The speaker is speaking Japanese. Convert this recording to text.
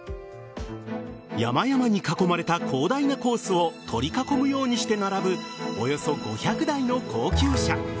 山々に囲まれた広大なコースを取り囲むようにして並ぶおよそ５００台の高級車。